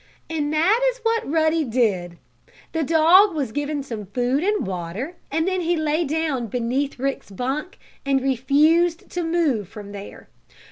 And that is what Ruddy did. The dog was given some food and water and then he lay down beneath Rick's bunk and refused to move from there.